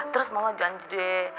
terus mama janji deh